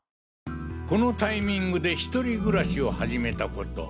このタイミングで１人暮らしを始めた事。